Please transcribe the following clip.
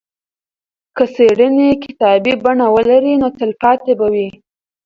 که څېړنه کتابي بڼه ولري نو تلپاتې به وي.